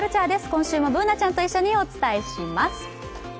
今週もＢｏｏｎａちゃんと一緒にお伝えします。